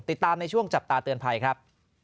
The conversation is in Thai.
ติดตามในช่วงจับตาเตือนภัยครับ